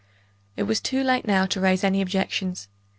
It was too late now to raise any objections.